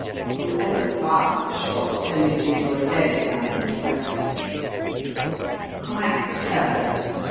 Whoever fired the shot sent it into a dead man's breast." "Quite so